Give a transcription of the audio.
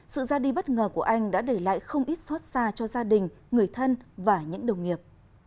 sự ra đi bất ngờ của anh đã để lại không ít xót xa cho gia đình người thân và những đồng nghiệp